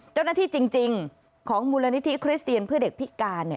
เจ้าหน้าที่จริงของมูลนิธิคริสเตียนเพื่อเด็กพิการเนี่ย